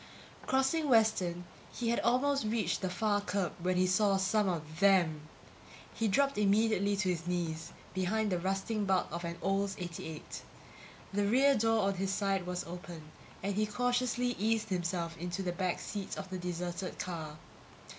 Crossing Western, he had almost reached the far curb when he saw some of them. He dropped immediately to his knees behind the rusting bulk of an Olds 88. The rear door on his side was open, and he cautiously eased himself into the back seat of the deserted car.